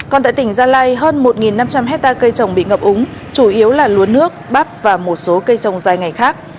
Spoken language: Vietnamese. còn tại tỉnh gia lai hơn một năm trăm linh hectare cây trồng bị ngập úng chủ yếu là lúa nước bắp và một số cây trồng dài ngày khác